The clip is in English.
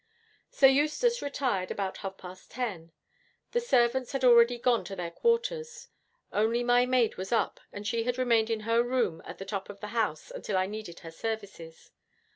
'Sir Eustace retired about half past ten. The servants had already gone to their quarters. Only my maid was up, and she had remained in her room at the top of the house until I needed her services.